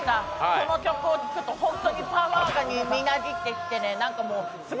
この曲を聴くと、本当にパワーがみなぎってきてですね